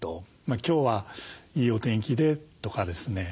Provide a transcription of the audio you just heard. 今日はいいお天気でとかですね